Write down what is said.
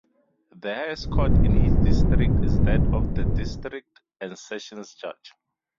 The highest court in each district is that of the District and Sessions Judge.